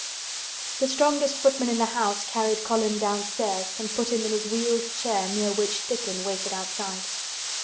The strongest footman in the house carried Colin downstairs and put him in his wheeled chair near which Dickon waited outside.